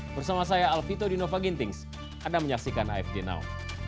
bersama saya alvito dinova gintings anda menyaksikan afd now